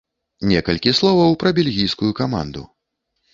Некалькі словаў пра бельгійскую каманду.